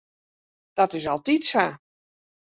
Dat is altyd sa.